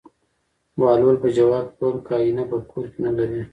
بهلول په ځواب کې وویل: که اېنه په کور کې نه لرې.